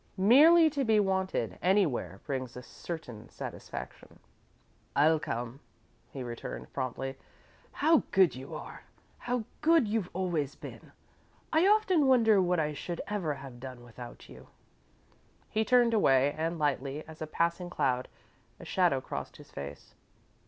Merely to be wanted, anywhere, brings a certain satisfaction. "I'll come," he returned, promptly. "How good you are! How good you've always been! I often wonder what I should ever have done without you." He turned away and, lightly as a passing cloud, a shadow crossed his face.